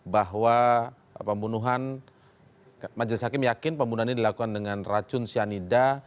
bahwa pembunuhan majelis hakim yakin pembunuhan ini dilakukan dengan racun cyanida